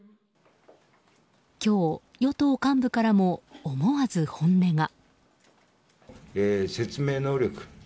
今日、与党幹部からも思わず本音が。